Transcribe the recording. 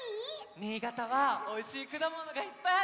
新潟はおいしいくだものがいっぱいあるんだって！